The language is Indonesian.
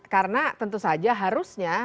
karena tentu saja harusnya